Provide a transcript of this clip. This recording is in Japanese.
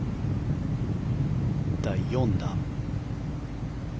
第４打。